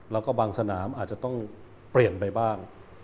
แล้วก็บางสนามอาจจะต้องเปลี่ยนไปบ้าง